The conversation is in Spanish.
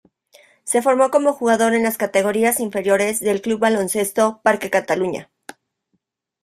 Se formó como jugador en las categorías inferiores del Club Baloncesto Parque Cataluña.